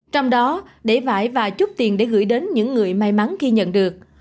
trong đó để vải và chút tiền để gửi đến những người may mắn khi nhận được